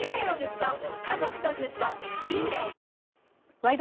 「ワイド！